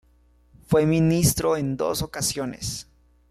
Fue ministro en dos ocasiones.